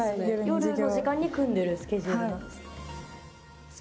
夜の時間に組んでるスケジュールなんですね。